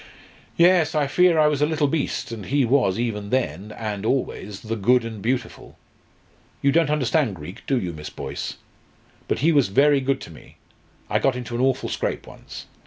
"Yes, I fear I was a little beast. And he was, even then, and always, 'the good and beautiful.' You don't understand Greek, do you, Miss Boyce? But he was very good to me. I got into an awful scrape once.